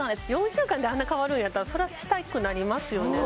週間であんな変わるんやったらそりゃしたくなりますよね